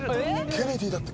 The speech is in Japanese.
「ケネディー」だって。